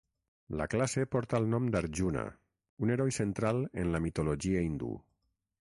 La classe porta el nom d'Arjuna, un heroi central en la mitologia hindú.